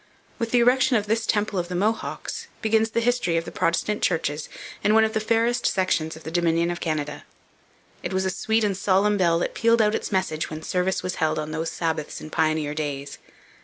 With the erection of this temple of the Mohawks begins the history of the Protestant churches in one of the fairest sections of the Dominion of Canada. It was a sweet and solemn bell that pealed out its message when service was held on those Sabbaths in pioneer days.